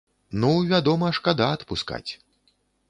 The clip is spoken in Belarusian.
Ну, вядома шкада адпускаць.